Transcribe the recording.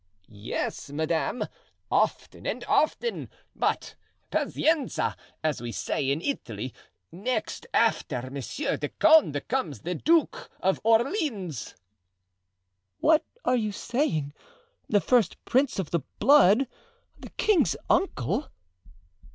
"Yes, madame, often and often, but pazienza, as we say in Italy; next, after Monsieur de Condé, comes the Duke of Orleans." "What are you saying? The first prince of the blood, the king's uncle!"